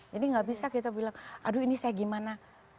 jadi nggak bisa kita bilang aduh ini saya gimana